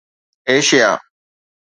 Asia